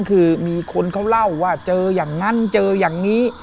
คือมีคนเขาเล่าว่าเจออย่างนั้นเจออย่างนี้